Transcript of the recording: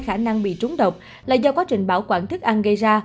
khả năng bị trúng độc là do quá trình bảo quản thức ăn gây ra